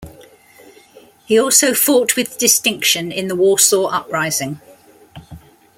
He also fought with distinction in the Warsaw Uprising.